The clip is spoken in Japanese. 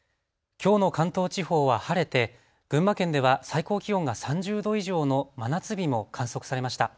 きょうの関東地方は晴れて群馬県では最高気温が３０度以上の真夏日も観測されました。